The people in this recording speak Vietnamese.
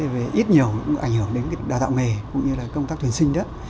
với ít nhiều cũng ảnh hưởng đến đào tạo nghề cũng như công tác thuyền sinh